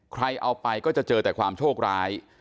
ใครเอาไปก็จะเจอแต่ความโชคร้าย